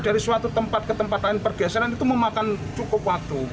dari suatu tempat ke tempat lain pergeseran itu memakan cukup waktu